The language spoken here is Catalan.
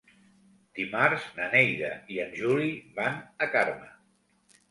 Dimarts na Neida i en Juli van a Carme.